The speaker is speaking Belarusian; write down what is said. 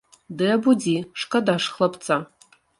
Ды абудзі, шкада ж хлапца.